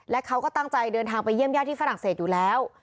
และเขาก็ตั้งใจเดินทางไปเยี่ยมญาติที่ฝรั่งเศสอยู่แล้ว